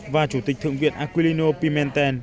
và chủ tịch thượng viện aquilino pimentel